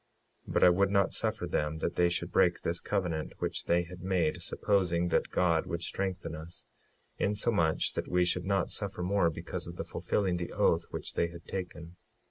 56:8 But I would not suffer them that they should break this covenant which they had made, supposing that God would strengthen us, insomuch that we should not suffer more because of the fulfilling the oath which they had taken.